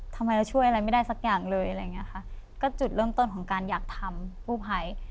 ทำไมเราช่วยอะไรไม่ได้สักอย่างเลยอะไรอย่างเงี้ยค่ะก็จุดเริ่มต้นของการอยากทำกู้ภัย